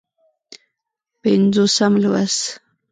پينځوسم لوست